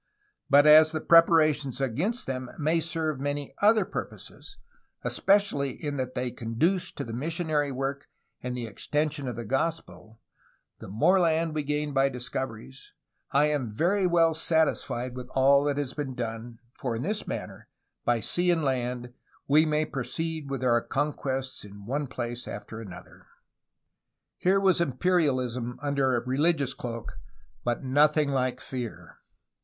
But as the ANTONIO BUCARELI 273 preparations against them serve many other purposes, especially in that they conduce to missionary work and the extension of the gospel, — the more land we gain by discoveries, — I am very well satisfied with all that has been done, for in this manner, by sea and land, we may proceed with our conquests to one place after another/' Here was imperialism under a religious cloak, but nothing like fear.